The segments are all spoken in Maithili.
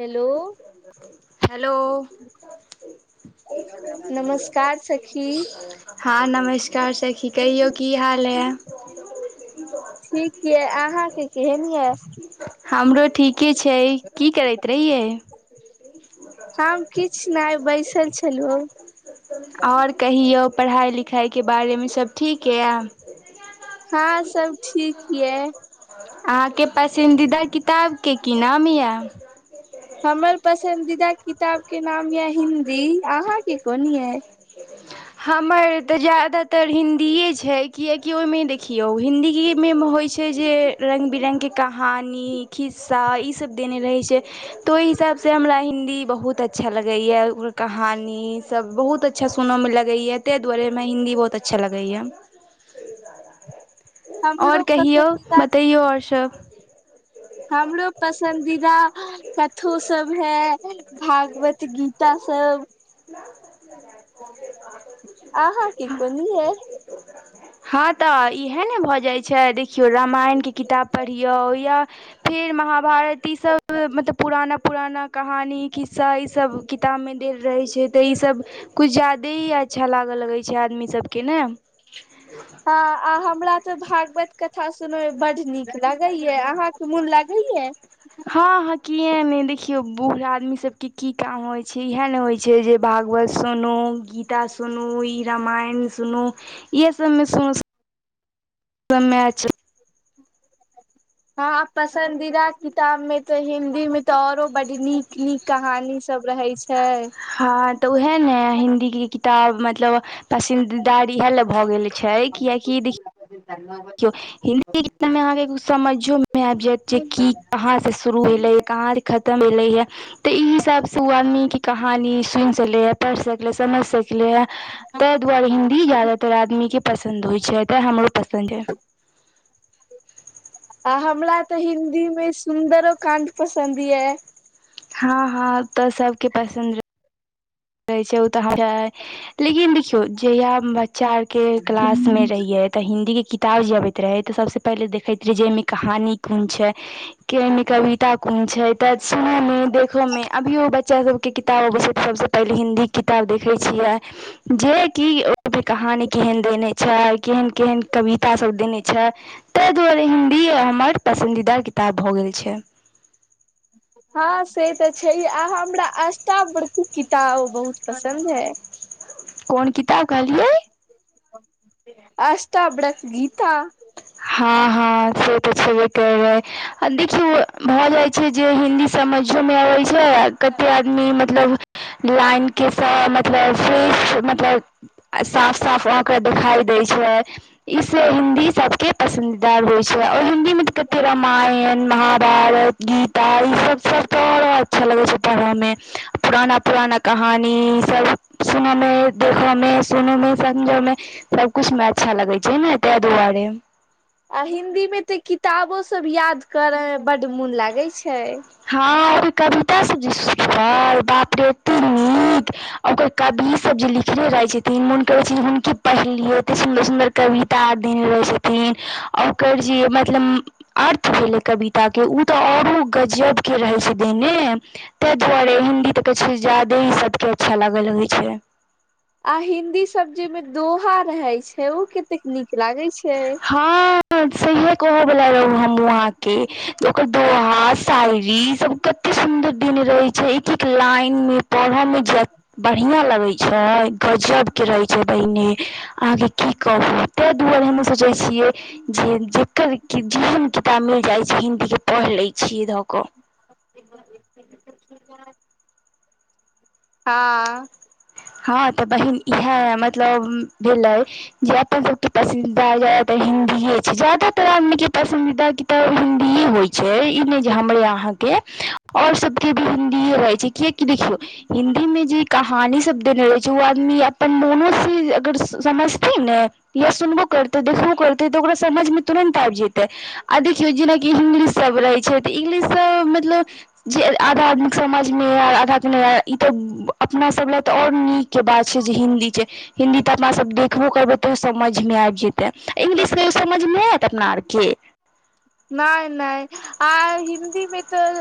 हेलो हेलो नमस्कार सखी हां नमस्कार सखी कहियौ की हाल ए? ठीक यै अहाँके केहन यै हमरो ठीके छै की करैत रहियै? हम किछ नहि बैसल छलहो आओर कहियौ पढ़ाइ लिखाइके बारेमे सब ठीक यै। हां सब ठीक यै। अहाँके पसन्दीदा किताबके की नाम यै? हमर पसन्दीदा किताब के नाम यो हिन्दी अहाँके कोन यै? हमर तऽ ज्यादातर हिन् दीए छै कियैकि ओइमे देखियौ हिन्दीकीमे होइ छै जे रंग बिरंगके कहानी खिस्सा ई सब देने रहै छै तऽ ओई हिसाबसे हमरा हिन्दी बहुत अच्छा लगैयै ओकर कहानी सब बहुत अच्छा सुनऽमे लगैयै। तैं दुआरे हमरा हिन्दी बहुत अच्छा लगैयै। [inaudible] और हमरो कहियौ पसन्दीदा बतैयौ और शभ हमरो पसन्दीदा कथो सब है भागवत त‌ गीता सब। अहाँके कोन यै? हां तऽ इहै ने भऽ जाइ छै देखियौ रामायणके किताब पढ़ियौ या फेर महाभारत ईसब मतलब पुराना पुराना कहानी खिस्सा ईसब किताबमे देल रहै छै तऽ ई सब कुछ ज्यादे ही अच्छा लागऽ लगै छै आदमी सबके ने। हँ आ हमरा तऽ भागवत कथा सुनैमे बड नीक लागैयै अहाँके मोन लागैयै? हँ हँ कियै नै देखियौ बूढ़ आदमी सब के की काम होय छै इहै ने होय छै जे भागवत सुनू गीता सुनू ई रामायण सुनू इहे सबमे सुन [unintelligible] समय चलि हँ आ पसंदीदा किताब में त हिन्दी में त औरो बड नीक नीक कहानी सब रहै छ छै हँ तऽ उहै ने हिन्दी के किताब मतलब पसन्दीदार इहै लै भए गेल छै किआकि देखि [unintelligible] देखियौ हिन्दी के किताब मे अहाँके कुछ समैझो मे आबि जैत जे की कहाँ से शुरू भेलै कहाँ खतम भेलै है तऽ ई हिसाबस ऊ आदमीके कहानी सुनि सकलै है पढ़ि सकलै समझि सकलैहै। तैं दुआरे हिन्दी ज्यादातर आदमीके पसन्द होइ छै आ तैँ हमरो पसन्द यै। आ हमरा तऽ हिन्दी मे सुन्दरो काण्ड पसन्द यै। हँ हँ ऊ तऽ सबके पसन्द रहै रहैछै उ तऽ लेकिन देखियै जहिया बच्चा आर के क्लास में रहियै तऽ हिन्दीके किताब जे अबैत रहै तऽ सबसे पहिले देखैत रही जे एइमे कहानी कोन छै कि एइमे कविता कोन छै त सु [unintelligible] देखोमे अभियो बच्चा सबके किताब अबै छै तऽ सबस पहिले हिन्दीक किताब देखै छियै जे कि ओहिपर कहानी केहन देने छै केहन केहन कवितासब देने छै। तैं दुआरे हिन्दी हमर पसन्दीदा किताब भऽ गेल छै। हँ से तऽ छै आ हमरा आष्टा बर्कू किताब बहुत पसन्द है। कोन किताब कहलीये? आष्टा बड़क गीता। हँ हँ से तऽ छेबे करै आ देखियौ भऽ जाय छै जे हिन्दी समझोमे आबय छै कते आदमी मतलब लाइन के स मतलब [unintelligible] मतलब साफ साफ अहके देखाई दै छै इ से हिन्दी सब के पसन्दीदा होइ छै और हिन्दीमे तऽ कते रामायण महाभारत गीत तऽ ईसभ सभ तऽ अच्छा लगै छै पढ़यमे पुराना पुराना कहानी ईसभ सुनयमे देखयमे सुनयमे समझयम सबकुछु मे अच्छा लगै छै ने तैं दुआरे। आ हिन्दी मे तऽ किताबो सब याद करऽ मे बड मोन लागै छै। हँ कविता सब जे [unintelligible] बाप रे एते नीक। ओकर कवि सब जे लिखले रहे छथिन मोन करे छै हुनके पढ़लिय एते सुंदर सुंदर कविता आ [unintelligible] रहै छै। थिन ओकर जे मतलब अर्थ भेलै कविताके ऊ तऽ औरो गजब के रहय छै देने तैं दुआरे हिन्दी तऽ कहैत छै ज्यादे ही सभके अच्छा लागऽ रहैत छै। आ हिन्दी सब जे में दोहा रहे छै ओ कतेक नीक लागे छै। हँ सेहे कह बोला रहु हम हु अहाँ के ओकर दोहा सायरी ई सब क कते सुदर दिन रहे छै एक एक लाइन मे परहऽ मे बढ़िया लगे छै गजब के रहे छै। पहिने अहाँके की कहू ताहि दुआरे हमहु सोचैय छियै जे जेकर जेहन किताब मिल जाइ छै हिन्दीके पढ़ि लैत छियै धऽ कऽ। [inaudible] हँ। हँ तऽ बहिन इहा मतलब भेलैय जे अपन सबके पसन्दीदा जातर हिन्दीए छै ज्यातर आदमीक के पसन्दीदा कि तऽ हिन्दीे होइ छै ई ने जे हमरे यहाँ के और सबके भी हिन्दीे रहै छै किया देखियौ हिन्दी में जे कहानी सब देने रहै छै ओ आदमी अपन मोनोसँ अगर समझथिन ने। या सुनबो करते देखबो करते तऽ ओकरा समझ मे तुरंत आबि जेते। आ देखियौ जेनाकि इंग्लिशसभ रहै छै तऽ इंग्लिशसभ मतलब जे आधा आदमीके समाझमे ऐल आधा के नहि ऐल ई तऽ अपनासब ल तऽ और नीक के बात छै जे हिन्दी छै हिन्दी तऽ अपना सब देखबो करबैय तऽ समझमे आइब जेतै इंग्लिश कहियो समझ मे न ऐत अपना आरके। नहि नहि आ हिन्दीमे तऽ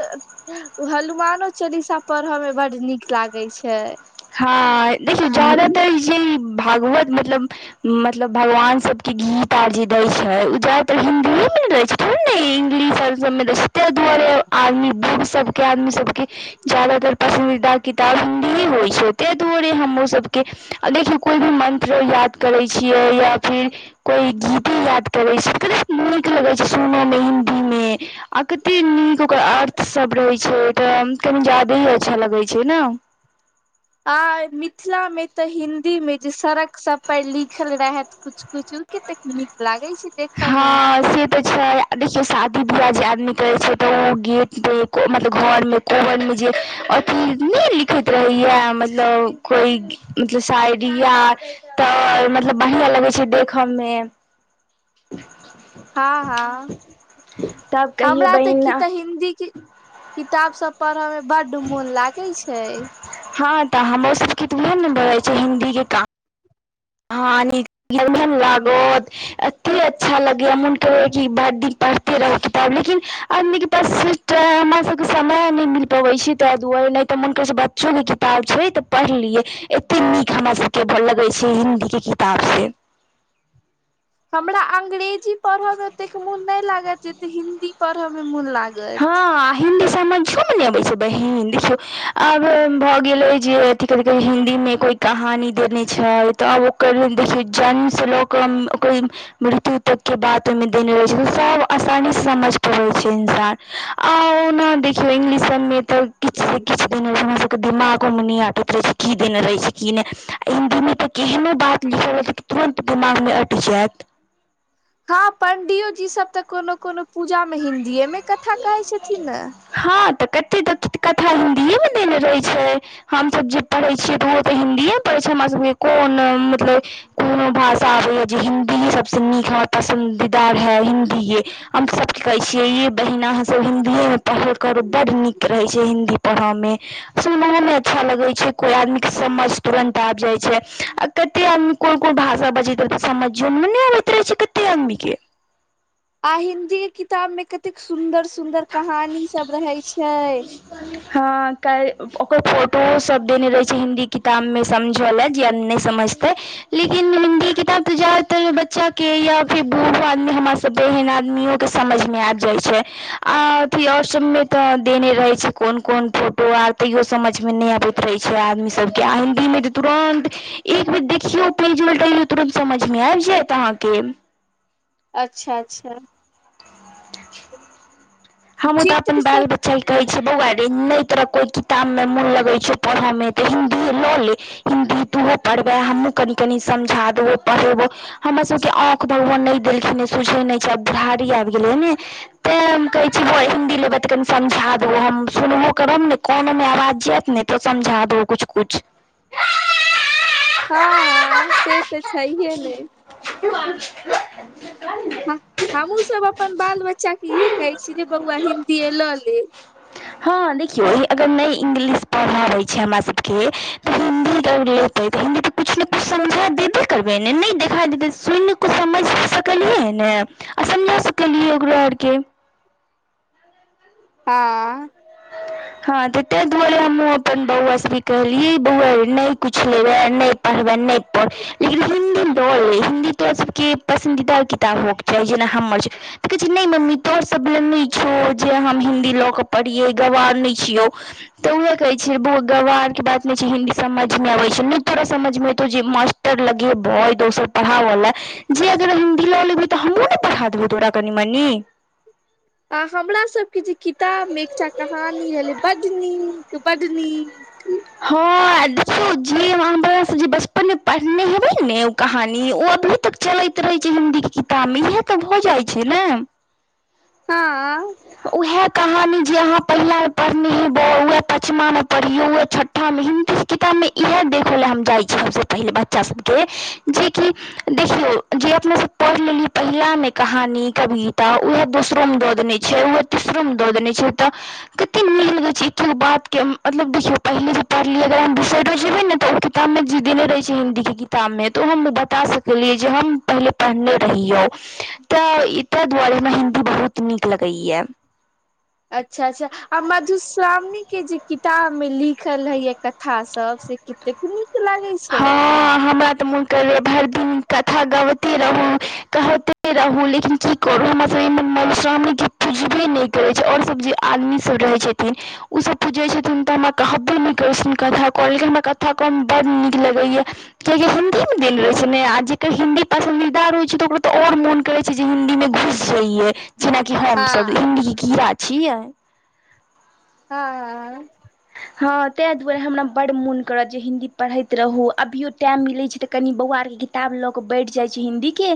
ओ हनुमानो चालीसा पढ़य मे बड्ड नीक लागैत छै। हँ देखियौ जदातर जे भागवत मतलब मतलब भगवान सब कि गीत आर जे दै छै ओ जादातर हिन्दियएमे लै छै थोरो ने इंग्लिश आर सबमे दै छै। तैं दुआरे आदमी बूढ़ सब आदमी सबके ज्यादातर पसन्दीदा किताब हिन्दीये होय छैते दूरे हमरो सबके, आ देखियौ कोइ भी मन्त्र याद करै छियै या फिर कोई गीते याद करे छै, कतेक नीक लगै छै सुनय में हिन्दी में? आ कत ते नीक ओकर अर्थ सब रहै छै, तऽ कनी जादे ही अच्छा लगै छै ना? आ मिथिला मे तऽ हिन्दी में जे सड़क सब पर लिखल रहैऽत कुच-कुचु केतेक नीक लागे छै देखऽ में? हँ से तऽ छै देखियौ, शादी बियाह जे आदमी करै छै तऽ उ गेट देत मतलब घर में कोबन में जे अथी नै लिखैत रहेयैऽ? मतलब कोई मतलब शायरी या त मतलव बरहियां लगै छै दे खऽ में। हँ-हँ, तब कहियै हमरा तऽ बहिन कि तऽ हिन्दी कि ताब सब पड़्हऽ में बड्ड मुन लागे छै। हँ तऽ हमरो सबके तऽ वैह ने ब जाइ छै, हिन्दी के काम हँ, नीक [unintelligible] लागत, एते अच्छा लगेया मुन करेया कि बड्डी पर तेरऽ ओ किताब लेकिन आदमी के पास टैऽ हमरा सबके समय नैय मिल पबै छै तैऽ दुआरे लाइक तऽ मुन करै छै बच्चोके किताब छै तऽ पढ़लियै, एते नीक हमरा सबके लगै छै हिन् दी के किताब से। हमरा अंग्रेजी पड़हऽ में ओतेक मुन नैय लागैयऽ जेते हिन्दी पड़हऽ मे मुन लाग हँ। हिंदी समऽझो में ने अबे छै बहीन, देखियौ आरो भऽ गेलै जे अथी-कथि-कह हिन्दी में कोई कहानी देने छाइत, तऽब ओकर देखियौ जन्म सँ लऽ कऽ ओकऽ ये मृत्यु तक के बात ओई में देने रहे छै, सब आसानी स समझ पबै छै इंसान। आ ओ कोना देखियौ इंग्लिश सबमें तऽ किछ से किछ देने रहे, हमरा सबके दिमागो मे नैय आटैत रहै छल की देने रहै छै की नैय? आ हिन्दी में तऽ केहनो बात लिखल रहै छै कि तुरन्त दिमाग में अटि जैत। हँ, पंडियो जी सब तऽ कोनो कोनो पूजा मे हिन्दीए मे कथा कहै छथिन न? हँ तऽ कते त कथा हिन्दीए में देने रहे छै, हमसब जे परहै छियै त ओहो त हिन्दिये म परहै छिय, हमरा सबके कोन मतलब कुनो भाषा आबैयै जे हिन्दीये सभसँ नीक हमा पसन्दीदा है हिन् दीये, हम सबके कहै छियै, ये बहिना अहॉं सब हिन्दी में परहल करू, बड्ड नीक रहैत छै हिन्दी परहऽ में। सुनहो में अच्छा लगै छै, कोइ आदमी के समझ तुरन्त आबि जाइ छै। अक् कते आदमी कोन कोन भाषा बजैत रहै, समझो में नैय आबैत रहै छै कते आदमी के। आ हिन्दी किताब में कतेक सुंदर सुंदर कहानी सब रहे छै? हँ काइ-ओकर फोटोओ सब देने रहे छै हिन्दी किताब में समझऽ लैऽ, जे आदमी नैय समझतै। लेकिन हिन्दी किताब तऽ जादातर बच्चा के या फिर बूड़्हो आदमी हमा स बहिन आदमिंयो के समैझ मे आइब जाइ छै। आ अथी और सब में त देने रहै छै कोन कोन फोटो आर तैयो समझ में नैय अबैत रहे छै आदमी सबके, आ हिन्दी में जे तुरंत एक बेर देखियौ, पेज उलटैयौ तुरन्त समझ में आबि जैत अहाँके। अच्छा-अच्छा। हमहुं तऽ चित्र अपन बैग सब ब चाय कहै छै बौआ रे नैय तोरा कोइ किताब में मोन लगै छौ पढ़ऽमे तऽ हिन्दीये लऽ ले। हिन्दी तुहो पड़्हबैं, हमहुँ कनि कनि समझा देबौ, पड़्हेबौ। हमर सबके आँख भगवान नै देलखिन्ह यै सूझे नै छै आब बुरहाड़ी आएब गेले यै नै तें हम कह [inaudible] ऐबय तऽ कनि समझा दबौ हम सुनबो करब नै कानमे आवाज जाएत नै तो समझा दबौ कुछ -कुछ हां-हां से तऽ छहिए नै [unintelligible] से कहली नै। हम हम्हूँ सब अपन बाल बच्चा के इहे कहय छीयै जे रे बौआ हिन्दीए लऽ लै। हां-हां देखियौ अगर नै इंग्लिश पढ़ा आबय छै हमरा सबके तऽ हिन्दी अगर लेतय त हिन्दी तऽ कुछ ने कुछ समझा देबय करबै नै नै देखा देबय सुन तै समझय सकलियै नै आ समझा सकलियै ओकरो आरके। हां। हां त तै दुआरे हम्हुँ अपन बौआ सबके कहलियै बौआ रे नै कुछ लेबय नै पढ़बै नै पढ़ लेकिन हिन्दी ल लै हिन्दी तोरा सबके पसन्दीदा किताब हो या जेना हम्मर छै त कहे छै नै मम्मी तोहर सब बला नै छौ जे हम हिन्दी ल के पढ़ पढ़िए गवार नै छियौ। तऽ उहै कहय छीयै जे बौआ गवार के बात नै छै हिन्दी समझ मे नै आबय छै नै तोरा समझमे एतौ जे मास् टर लगैबो ई दोसर पढ़ावा लै जे अगर हिन्दी ल लेभी तऽ हम्हुँ नै पढ़ा देबौ तोरा कनि मनि आ हमरा सबके जे किताब मे एकटा कहानी रहले बड नीक, बड नीक हां आ देखियौ जे अहाँ हमरा से जे बचपन मे पढ़नय हेबै ने उ कहानी उ अभी तक चलैत रहै छै हिन्दी के किताब मे इहै तऽ भऽ जाए छै नै हां। उहै कहानी जे अहाँ पहिला मे पढ़नै हेबय वैह पचमा मे पढ़ियौ, वैह छट हम हिन्दी के किताब मे इहै देखय लै हम चाहय छी सबसे पहिले बच्चा सबके जे कि देखियो जे अपना सब पढ़ लेलीए पहिला मे कहानी, कविता उहै दोसरो में दऽ देनय छै उहो तिसरो मे दऽ देनय छै तऽ कते नीक लगे छै एकै गो बात के उम्म मतलब देखियौ पहिले जे पढ़लियै अगर अहां दुसर दोसरो में पढ़िए किताबमे जे देने रहय छै हिन्दीके किताब मे तऽ ओ हम बता सकलियै जे हम पहिले पढ़नाय रहियौ। तै ई तै दुआरे हमरा हिन्दी बहुत नीक लगय यै। अच्छा-अच्छा आ मधुश्रामणी के जे किताब मे लिखल रहय यै कथा सब से की कतेक नीक लागय हां हमरा तऽ मुन करय यै भैर दिन कथा गाएबते रहु, कहते रहु लेकिन की करू हमरा सबके ईम्हर मधुश्रामणी कियो पुजबे नै करय छै और सब जे आदमी सब रहै छथिन उ सब पूजे छथिन तऽ हमरा कहबे नै करय छथीन कथा कहय लेकिन हमरा कथा कहय में बड नी लगय यै कियाकि हिन्दी मे दैल रहय छै नै आ जेकर हिन्दी पसन्दीदा रहय छै तऽ ओकरा त और मोन करय छै जे हिन्दीमे घुस जइयै जेनाकि हम सब हँ हिन्दी के कीड़ा छियै। हां। हां तै दुआरे हमरा बड्ड मोन करत जे हिन्दी पढ़ैत रहू अभियो टाइम मिलय छै तऽ कनि बौआ आरके कि ताब लऽ कऽ बैठ जाए छी हिन्दीके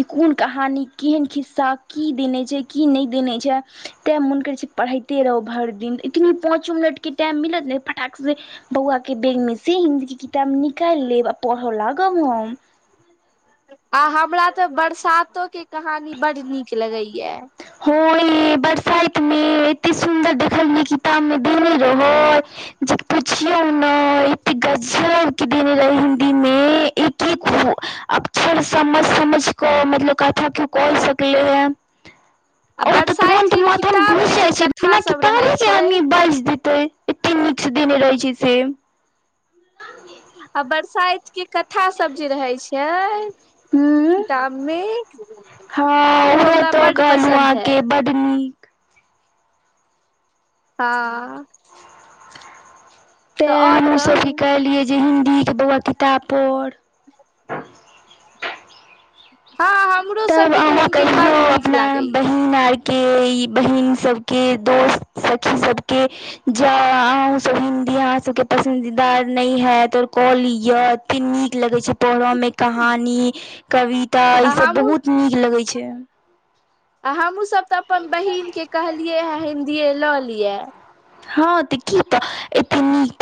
जे कोन कहानी केहेन खिस्सा की देने छै की नै देने छै तैँ मुन करय छै पढ़य के। ते रहु भर दिन इतनी पाँचो मिनटके टाइम मिलत नै फटाक से बौआ के बैग मे से हिंन्दी के किताब निकाएल लेब आ पढ़ा लागम हम। आ हमरा तऽ बरसातो के कहानी बड नीक लगय यै। हां यै बरसाएत में एते सुंदर देखलिए किताब मे देने रहय। जे पुछियौ नै। की गजब के देने रहै हिन्दी मे एक-एक व अक्षर समझ-समझ को मतलब कथी की कोल सकैया उ। आ ओ तऽ बरसाइत तुरंत के माथा किताब मे घुस जे जाय छै, कथा बिना सब रहे किताबे के छै आदमी बाज देते। एते नीक से देने रहै छै से। आ बरसाएत के कथा सब जे रहै छै। हूँ किताब मे हँ उ उहे हमरा तऽ बड कहलहुँ पसन्द हय। अहाँके बड नी हां। तै और हमु सब कहू ई कहलिये जे हिन्दी के बौअवा किताब पढ़। हां ह तब अहाँ कहियौ अपना बहिन आर के ई बहिन सबके दोस्त सखी सबके जौ अहों सब हिन्दी अहाँ सबके पसन्दीदा नै हैत और क लियो ती नी क लगे छै पढ़ऽ मे, कहानी, कविता आ ई सब हमहूँ बहुत नीक लगे छै। आ हमु सब तऽ अपन बहिन के कहलियै हे हिन्दीये लऽ लियाए। हां त की तऽ एते नीक